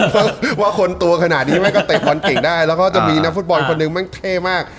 เพราะว่าคนตัวขนาดนี้มันก็เตะบอลเก่งได้แล้วก็จะมีนักฟุตบอลคนหนึ่งแม่งเท่มาก